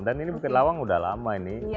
ini bukit lawang udah lama ini